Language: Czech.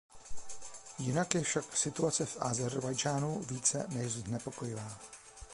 Jinak je však situace v Ázerbájdžánu více než znepokojivá.